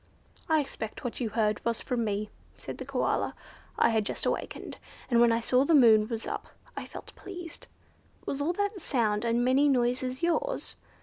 "I expect what you heard was from me," said the Koala; "I had just awakened, and when I saw the moon was up I felt pleased." "Was all that sound and many noises yours?"